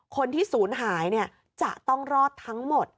คนที่ศูนย์หายจะต้องรอดทั้งหมด